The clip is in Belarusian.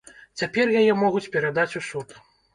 Цяпер яе могуць перадаць у суд.